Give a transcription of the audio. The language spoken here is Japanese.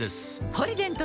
「ポリデント」